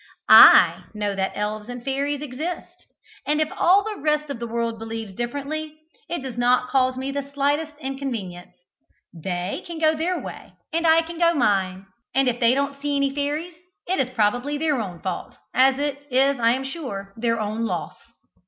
I know that elves and fairies exist, and if all the rest of the world believes differently, it does not cause me the slightest inconvenience; they can go their way, and I can go mine; and if they don't see any fairies, it is probably their own fault, as it is, I am sure, their own loss.